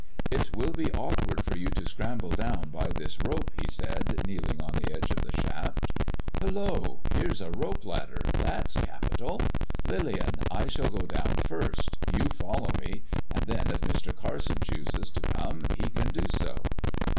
" It will be awkward for you to scramble down by this rope/' he said, kneeling on the edge of the shaft. << Hullo ! 210 THE DEAD MAN'S DIAMONDS here's a rope ladder; that's capital. Lillian, I shall go down first, you follow me, and then if Mr. Carson chooses to come he can do so.''